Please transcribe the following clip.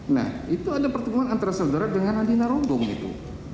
nah itu ada pertemuan antara saudara dengan andi narodung itu